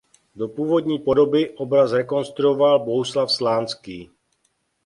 Do původní podoby obraz restauroval Bohuslav Slánský.